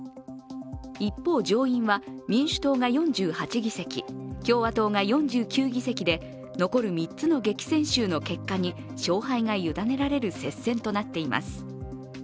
一方、上院は民主党が４８議席、共和党が４９議席で残る３つの激戦州の結果に勝敗が委ねられる接戦となっています。